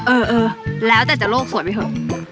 เออเออแล้วแต่จะโลกสวยไปเถอะ